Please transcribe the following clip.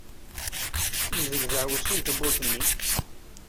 Mdel ddeɛwessu n tewwurt-nni!